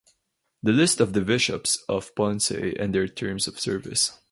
The list of the bishops of Ponce and their terms of service.